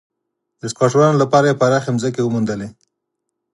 د سکواټورانو لپاره یې پراخې ځمکې وموندلې.